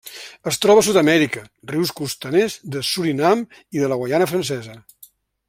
Es troba a Sud-amèrica: rius costaners de Surinam i de la Guaiana Francesa.